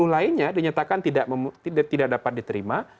satu ratus empat puluh lainnya dinyatakan tidak dapat diterima